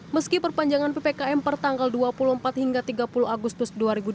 meski perpanjangan ppkm per tanggal dua puluh empat hingga tiga puluh agustus dua ribu dua puluh